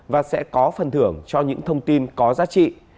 và sẽ có phần thưởng cho những thông tin có giá trị